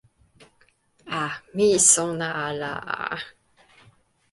a. mi sona ala a.